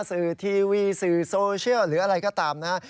สื่อทีวีสื่อโซเชียลหรืออะไรก็ตามนะฮะ